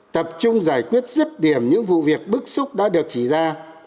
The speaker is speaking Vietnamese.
tập trung giải quyết rứt điểm những vụ việc bức xúc đã được chỉ ra